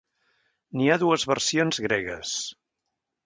N'hi ha dues versions gregues.